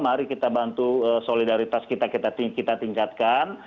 mari kita bantu solidaritas kita tingkatkan